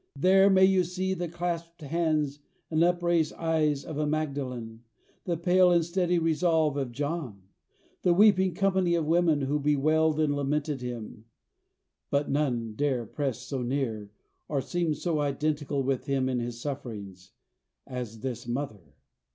There may you see the clasped hands and upraised eyes of a Magdalen, the pale and steady resolve of John, the weeping company of women who bewailed and lamented him; but none dare press so near, or seem so identical with him in his sufferings, as this mother.